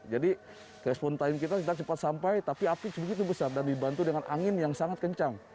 jadi respon time kita kita cepat sampai tapi api begitu besar dan dibantu dengan angin yang sangat kencang